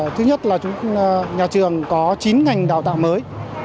thứ nhất là nhà trường có chín ngành đào tạo mới